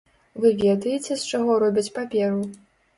Вы ведаеце, з чаго робяць паперу?